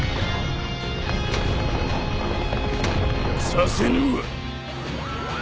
させぬわ。